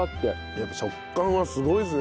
やっぱ食感がすごいですね。